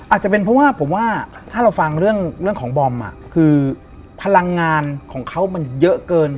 อาจจะเป็นเพราะว่าผมว่าถ้าเราฟังเรื่องของบอมคือพลังงานของเขามันเยอะเกิน